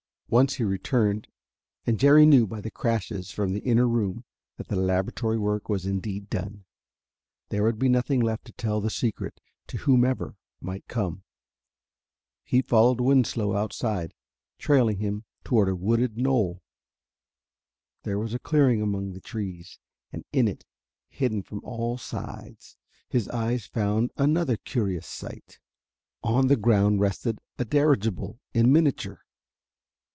Once he returned, and Jerry knew by the crashes from the inner room that the laboratory work was indeed done. There would be nothing left to tell the secret to whomever might come. He followed Winslow outside, trailing him toward a wooded knoll. There was a clearing among the trees. And in it, hidden from all sides, his eyes found another curious sight. On the ground rested a dirigible in miniature.